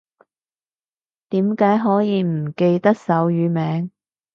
點解可以唔記得手語名